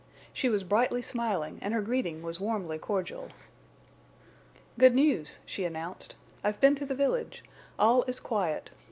She was brightly smiling, and her greeting was warmly cordial. "Good news," she announced. "I've been to the village. All is quiet.